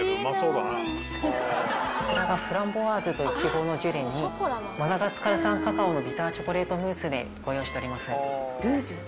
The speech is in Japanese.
こちらがフランボワーズとイチゴのジュレにマダガスカル産カカオのビターチョコレートムースでご用意しております。